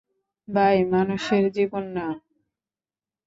By মানুষের জীবন নেয়া।